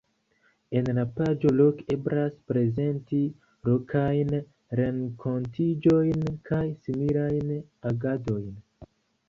En la paĝo Loke eblas prezenti lokajn renkontiĝojn kaj similajn agadojn.